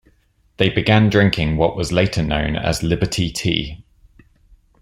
They began drinking what was later known as liberty tea.